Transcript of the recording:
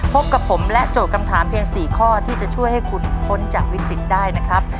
พบกับผมและโจทย์คำถามเพียง๔ข้อที่จะช่วยให้คุณพ้นจากวิกฤตได้นะครับ